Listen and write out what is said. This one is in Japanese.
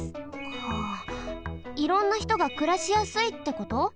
はあいろんなひとがくらしやすいってこと？